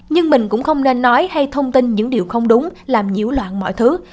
nhưng mình cũng không nên nói hay thông tin những điều không đúng làm nhiễu loạn mọi thứ